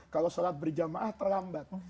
kalau sholat berjamaah terlambat